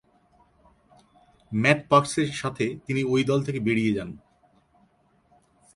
Mat Parks এর সাথে তিনি ওই দল থেকে বেড়িয়ে যান।